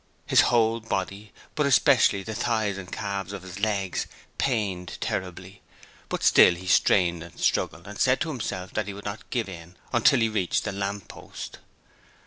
His whole body, but especially the thighs and calves of his legs, pained terribly, but still he strained and struggled and said to himself that he would not give in until he reached the lamp post.